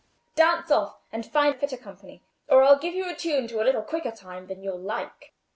dance off, and find fitter company, or I'll give you a tune to a little quicker time than you'll like."